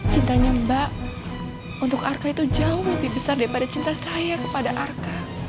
cintanya mbak untuk arka itu jauh lebih besar daripada cinta saya kepada arka